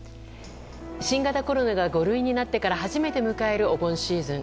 新型コロナが５類になってから初めて迎えるお盆シーズン。